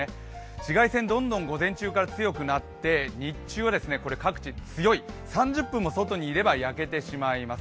紫外線、どんどん午前中から強くなって日中は各地強い、３０分も外にいれば焼けてしまいます。